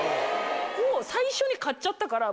もう最初に買っちゃったから。